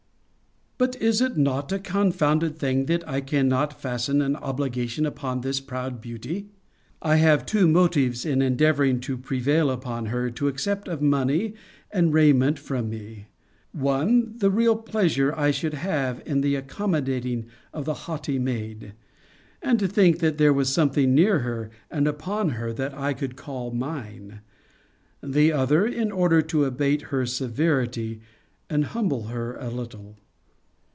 ] But is it not a confounded thing that I cannot fasten an obligation upon this proud beauty? I have two motives in endeavouring to prevail upon her to accept of money and raiment from me: one; the real pleasure I should have in the accommodating of the haughty maid; and to think there was something near her, and upon her, that I could call mine: the other, in order to abate her severity and humble her a little.